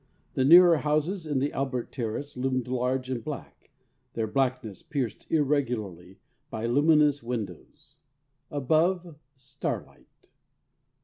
The nearer houses in the Albert terrace loomed large and black, their blackness pierced irregularly by luminous windows. Above, starlight.